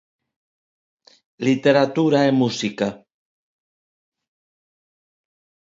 Literatura e música.